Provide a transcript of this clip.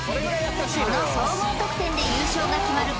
その総合得点で優勝が決まる